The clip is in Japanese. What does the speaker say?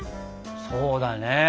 そうだね。